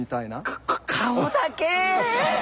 か顔だけ！？